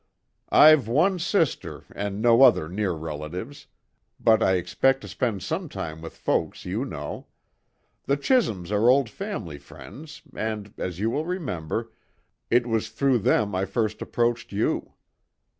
"I've one sister and no other near relatives, but I expect to spend some time with folks you know. The Chisholms are old family friends and, as you will remember, it was through them I first approached you."